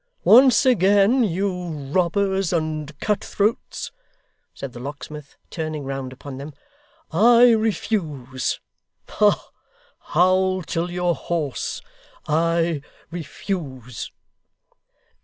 Once again, you robbers and cut throats,' said the locksmith, turning round upon them, 'I refuse. Ah! Howl till you're hoarse. I refuse.